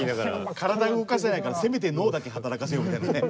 体動かせないからせめて脳だけ働かせようみたいなね。